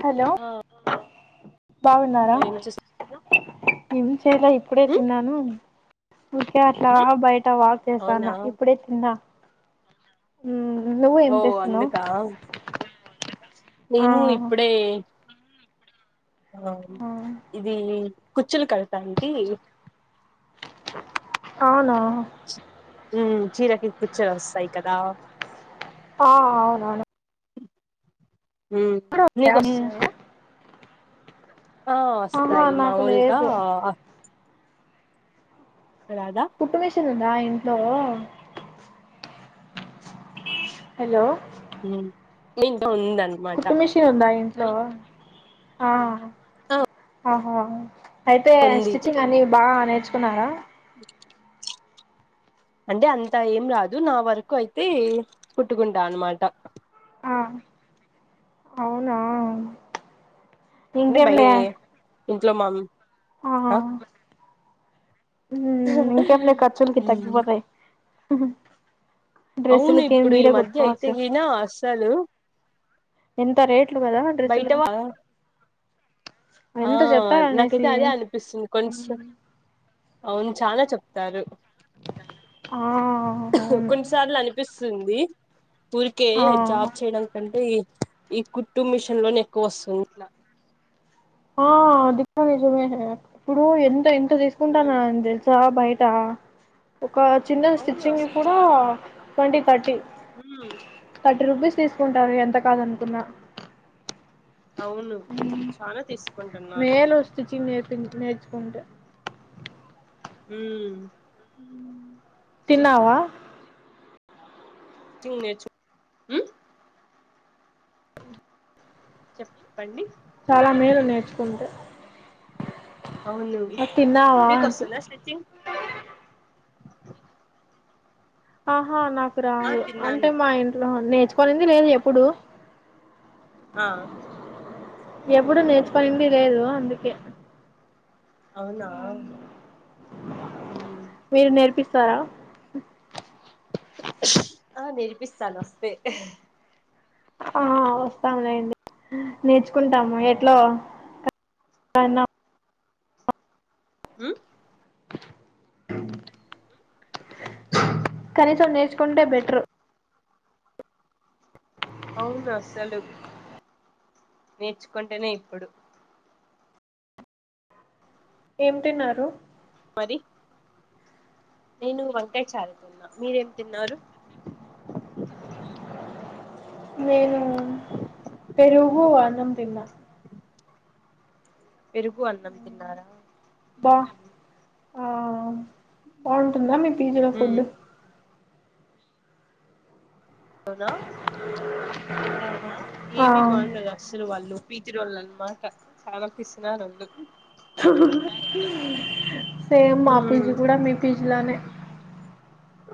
Hello ఆ బావున్నారా? ఏం చేస్ ఏం చేయలే ఇప్పుడే ఉమ్ తిన్నాను ఉకే అట్లా బయ ట వాక్ అవునా చేస్తన్న ఇప్పుడే తిందా ఉమ్ నువ్వు ఏం ఓ చేస్తున్నావ్? అందుకా నేను ఇప్పుడే ఆ ఇది కుచ్చులు కడత అంటి అవును మ్ చీరకి కుచ్చులు వస్తాయి కదా ఆ అవునవును మ్ నీకొస్తాన్నయా? ఆ ఆహా వస్తాయి నాకు మామూలుగా లేదు రాదా కుట్టుమిషన్ ఉందా ఇంట్లో? హలో మ్ నిగున్ కుట్టు మిషన్ ఉందా ఇంట్లో ఆ ఆహా అయితే ఉంది స్టిచ్చింగ్ అని బా నేర్చుకున్నారా? అంటే అంత ఏం రాదు నా వరకు అయితే కుట్టుకుంటా అన్నమాట. ఆ అవునా అంటే బయ ఇంకేములె ఇంట్లో మామ్ అ మ్ ఇంకమలే ఖర్చులకు తగ్గి ఉమ్ పోతాయ్ హ్హ్ అవును ఇప్పుడు ఈ మధ్య అయితే గినా అస్సలు ఎంత రేట్లు కదా బయట డ్రెస్సులు? వా ఆ ఎంత చెప్తారు నాకైతే అనేసి అదే అనిపిస్తుంది కొంచెం అవును చానా చెప్తారు ఆ అవును కొన్నిసార్లు అనిపిస్త స్తంది ఊరికే ఆ జాబ్ చేయడాని కంటే ఈ ఈ కుట్టుూ మిషన్ లోనే ఎక్కువ వస్తుంది ఇట్లా ఆది నిజమే ఇప్పుడు ఎంత ఎంత తీసుకుంటాను ఉమ్, తెలుసా బయ ట ఉ ఒక చిన్న అవును స్టిచ్చింగ్ అసలు కూడా చాలా twenty thirty um thirty rupees తీసుకుంటారు ఎంత కాదనుకున్నా అవును చానా తీసు మేలు స్టిచ్చింగ్ నేర్పించి నేర్చకోంటే హ తిన్నావా? తిన్నేచు మ్ చెప్పండి చాలా మేలు నేర్చుకుంటే అవును తిన్నావా మీకు అంటి వస్తుందా స్టిచ్చింగ్? ఆహా నాకు ఆ రాదు అంటే తిన్నాను మా ఇంట్లో నేర్చు కొనింది లేదు ఎప్పుడు ఆ ఎప్పుడు నేర్చుకొనింది లేదు అందుకే అవునా ఉమ్ మీరు నేర్పిస్తారా ఆ నేర్పిస్తాను వస్తే ఆ వస్తాములేండి నేర్చుకుంటాము ఆ ఎట్లో సనా హ కనీసం నేర్చుకుంటే బెటరు అవును అసలు నేర్చుకుంటేనే ఇప్పుడు ఏం తిన్నారు మరి నేను వంకాయ్ చారు తిన్నా మీరేం తిన్నారు నేను పెరుగు అన్నమ్ తిన్నా పెరుగు అన్నం తిన్నారా బా ఆ బాగుంటుందా మీ పిజీలో ఫుడ్ అవునా ఆ ఆ ఏమి బాగుండదు అసలు వాళ్ళు వీటి రోళ్ళు అన్నమాట చాల పిసినారోళ్లు సేమ్ మా పీజీ కూడా మీ పీజీలానే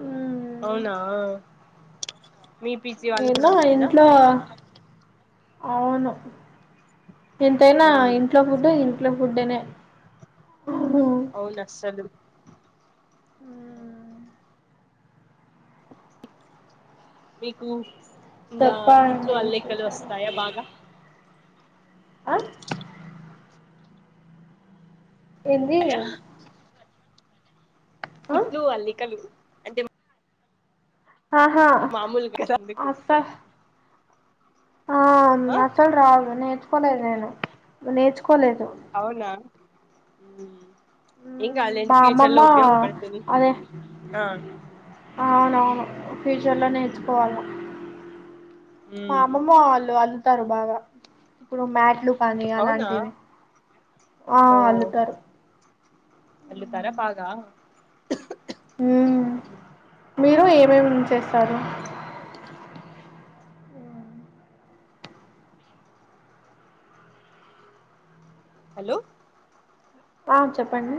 ఉ అవునా మీ పిజీ వాళ్లు కూడ ఏందో అంతేనా ఇంట్లో అవును ఎంతైనా ఇంట్లో ఫుడ్డు ఇంట్లో బుడ్డనే ఉ అవున అస్సలు మీకు ఇంగా కుట్లు చెప్పాలండి అళ్ళికలు విశేషాలు వస్తాయా బాగా ఆ ఏంది ఆ కుట్లు అల్లికలు అంటే ఆహా మామూలుగా కదా అందుకు అస ఆ ఆ నసలు రాదు నేర్చుకోలేదు నేను నేర్చు అవునా ఏం కాదులేండి మా ఫ్యూచర్ లో అమ్మమ్మా ఉపయోగపడుతుంది అదే ఆ అవునవును ఫ్యూచర్ లో నేర్చుకోవాలి మా ఉమ్ అమ్మమ్మ ఆళు ఉంటారు బాగా ఇప్పుడు మ్యాట్లుక్ పని అవునా అలాంటివి ఆ అల్లుతారు అళ్ళుతార పాగా ఉ మీరు ఏమేమి చేస్తారు హలో ఆ చెప్పండి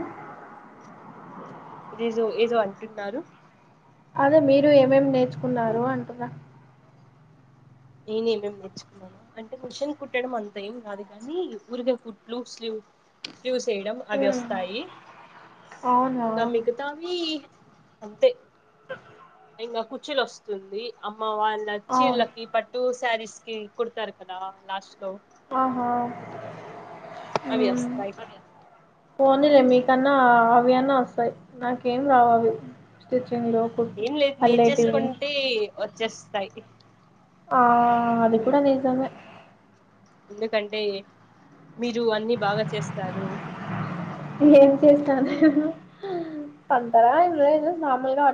జో ఏదో అంటున్నారు అదే మీరు ఏమేం నేర్చుకున్నారు అంటున్న నేనేమేం నేర్చుకున్నాను అంటే మిషన్ కుట్టడం అంత ఏం రాదు కాని ఊరిగా ఫుట్లు స్లీవ్ చూసేయడం అవి వస్తాయి అవునా ఇంగ మిగతావి అంతే ఇంకా కుచులు వస్తుంది అమ్మ వాళ్ళ అవును చీర్లకి పట్ సారీస్ కీ కూడతరూ కదా లాస్టులో ఆహా అవి వస్తాయి పోనీలే మీ ఉమ్. కన్నా అవయాన్న వస్తాయి నాకేం రావు అవి స్టిచ్చింగ్లు కుట్టు ఏం లేదు పల్లేటివి నేర్చుసుకుంటే వచ్చేస్తాయి ఆ అది ఉమ్. కూడా నిజమే ఎందుకంటే మీరు అన్ని బాగా చేస్తారు ఏం చేస్తా నేను పందర అన అదు నార్మల్ గా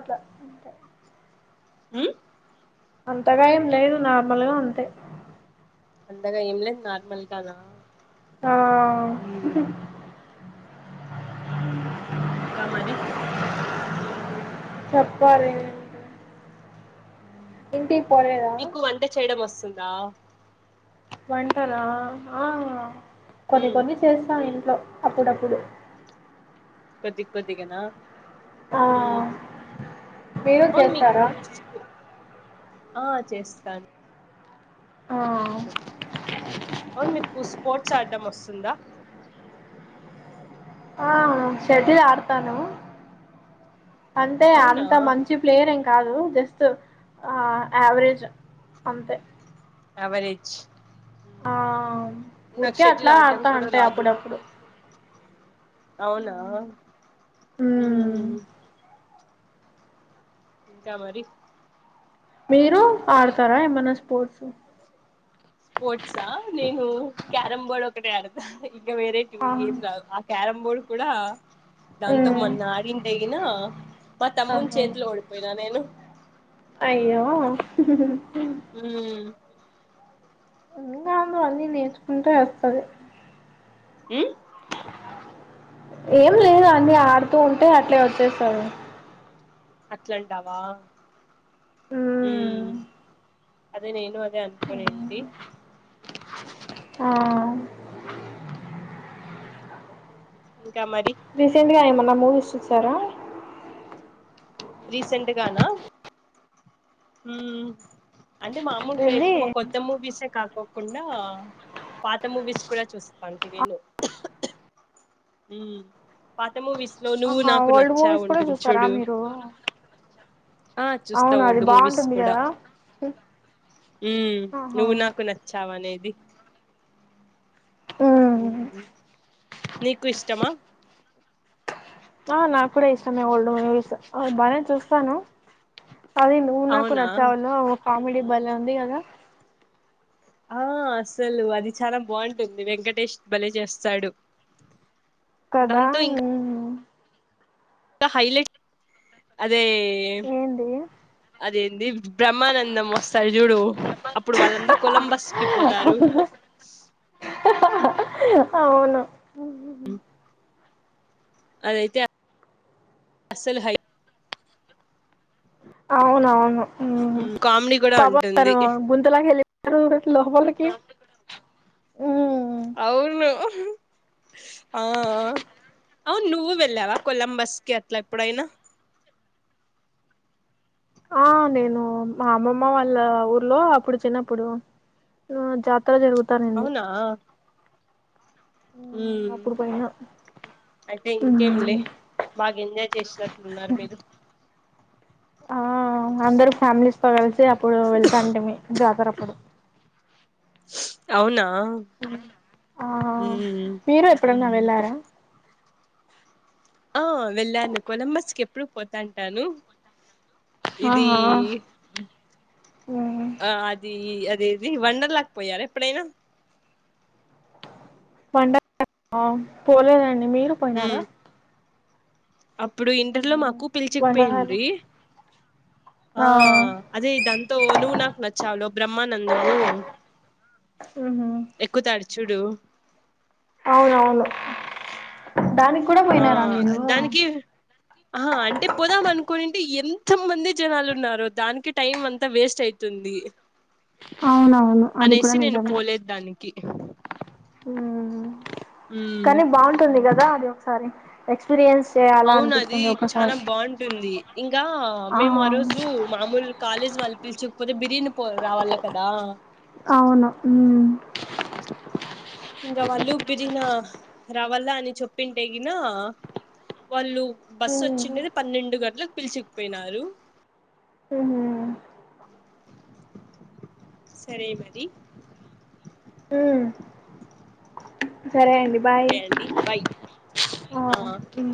అంతే ఉ అంతగా ఏం లేదు నార్మల్గా అంతే అంతగా ఏం లే నార్మల్ గాన ఆ కామది చెప్పాలి ఇంటికీ పోలేేదా నా వంటనా ఆ కొన్ని ఉమ్ కొన్ని చేస్తా ఇంట్లో అప్పుడప్పుడు కొది కొతిగానా ఆ ఉ మీరు అవును చేస్తారా మీకూ ఆ చేస్తాను ఆ అవును మీకు స్పోర్ట్స్ ఆడ్డం వస్తుందా ఆ షటిల్ ఆడతాను అంటే అవునా అంత మంచి ప్లేయర్ ఏం కాదు జస్ట్ యావరేజ్ అంతే ఎవరేజ్ ఆ ఊరికే అట్లా ఆడడం ఆడతా కూడా ఉంటాయి రాదు అప్పుడప్పుడు అవునా ఉ మ్మ్ ఇంకా మరి మీరు ఆడతారా ఏమన్నా స్పోర్ట్స్ అక్కే ఆడతా ఇంకా వేరై ఆ ఏం రా ఆ క్యారం బోర్డ్ కూడా దాంతో మ్మ్ మొన్న ఆడింట అయిిన మా తమ్ముని ఆహా చేతిలో ఓడిపోయినా నేను అయ్యో ఉమ్ ఇంకా అంద అన్ని నేర్చుకుంటే ఎస్తరు ఉమ్మ్ ఏం లేదు అన్నీ ఆడుతూ ఉంటే అట్లే ఒచ్చేస్తారు అట్లాంటావా ఉమ్మ్ అదే నేను అదే అనుకోనుంటి ఆ ఇంకా మరి రీసెంట్ గా ఏమన్నా మూవీస్ చూసారా రీసెంట్ గాన ఉమ్ అంటే మామూలుగా ఏంది ఎక్కువ కొత్త మూవీసే కాకు కుండా పాత మూవీస్ కూడా చూస్తాంటి నేను ఉమ్ పాత మూవీస్ లో నువ్వు ఆహా నాకు ఓల్డ్ నచ్చావు మూవీస్ కూడా ఉంటుంది చూస్తారా చూడు మీరు ఆ చూస్తా అవును అది ఓల్డ్ మూవీస్ బాగుంటుంది కూడా కదా ఉ ఆహా నువ్వు నాకు నచ్చావ్ అనేది ఉమ్ నీకు ఇష్టమా ఆ నాకు కూడా ఇష్టమే ఓల్డ్ మూవీస్ బానే చూస్తాను అదే నువ్వు నాకు అవునా నచ్చావులో కామెడి బలే ఉంది కదా ఆ అసలు అది చాలా బాగుంటుంది వెంకటేష్ భలే చేస్తాడు కదా దాంతో ఉ ఇంకా హైలైట్ అదే ఏంది అదే బ్రహ్మానందం వస్ ఒకసారిజూడు అప్పుడు వాళ్ళంతా కొలంబస్ కి పోతారు [inaudible] అవును అదైతే అస్సలు హై అవునవును ఊ కామెడీ కూడా పాపం ఉంటుంది తను గుంతలోకి వెలి లోపలికి హ్మ్. అవును ఆ అ అవు నువ్వు వెళ్ళావా కొలంబస్ కి అట్లా ఎప్పుడైనా ఆ నేను మా అమ్మమ్మ వాళ్ళ ఊర్లో అప్పుడు చిన్నప్పుడు ఆ జాతర జరుగుతానింది అవునా ఉమ్ అప్పుడు పోయిన అయితే ఇంకేంలే బాగ ఎంజాయ్ చేసినట్లు ఉన్నారు మీరు ఆ అందరు ఫ్యామిలీస్ తో కలిసి అప్పుడు వెళ్తాంటిమి జాతర అప్పుడు అవునా ఆ ఉమ్ మీరు ఎప్పుడన్నా వెళ్ళారా ఆ వెళ్ళాను కొలంబస్కి ఎప్పుడు పోతాంటాను ఇది ఆహా ఆ అదీ ఇది వండర్లకు పోయార ఎప్పుడైనా వండ పోలేదండి మీరు ఉమ్. పోయినారా అప్పుడు ఇంటర్లో మాకు వండకాలు పిలిచికపోయిండ్రీ ఆ అదే దాంతో నువ్వు నాకు నచ్చావులో బ్రహ్మానందము హుహు. ఎక్కుతాడుచుడు అవునవును దాని ఆ దానికి అహ ఆ అంటే పోదామనుకు కొన్నింటి ఎంత మంది జనాలు ఉన్నారో దానికి టైం అంతా వేస్ట్ అయితుంది అవునవును అది కూడా అనేసి నేను పోలేదు దానికి ఉమ్మ్ మ్మ్ కానీ బాగుంటుంది కదా అది ఒకసారి ఎక్స్పీరియన్స్ చేయాలా అవునది అనిపిస్తుంది చాన ఒకసారి బాగుంటుంది ఇంకా మేము ఆ రోజు మామూలు కాలేజీ వాల్ పిల్చకపోతే బిరిన పో రావాల కదా అవును ఉ ఇంగ వాళ్ళు బిరినా రావల్ల అని చెప్పింటేగిన వాళ్ళు బస్సు ఉమ్ వచ్చిండది పన్నెండు గంటలకు పిలిచకుపోయినారు. ఉమ్ సరే మరి ఉమ్ సరే అండి బాయ్ ఓకే అండి బాయ్ వ ఆ తిన్